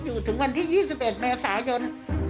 อยู่ถึงวันที่๒๑เมษายน